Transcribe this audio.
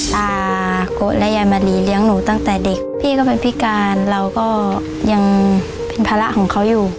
ตาโกะและยายมณีเลี้ยงหนูตั้งแต่เด็กพี่ก็เป็นพิการเราก็ยังเป็นภาระของเขาอยู่